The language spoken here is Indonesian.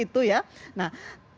itu ya nah